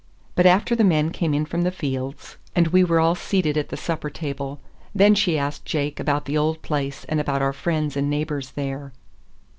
But after the men came in from the fields, and we were all seated at the supper table, then she asked Jake about the old place and about our friends and neighbors there.